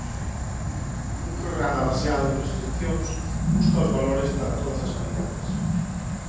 Un programa baseado en restricións busca os valores para todas as variables.